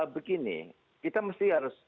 begini kita mesti harus